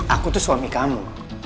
aku tuh suami kamu